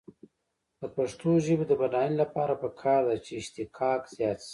د پښتو ژبې د بډاینې لپاره پکار ده چې اشتقاق زیات شي.